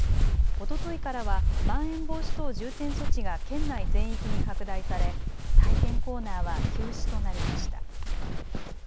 おとといからはまん延防止等重点措置が県内全域に拡大され体験コーナーは休止となりました。